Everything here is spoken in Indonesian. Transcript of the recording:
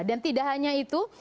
dan tidak hanya itu